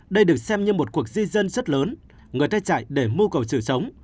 đây được xem như một cuộc di dân rất lớn người ta chạy để mưu cầu sống